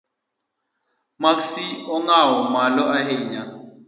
Maksi ong’aw malo ahinya?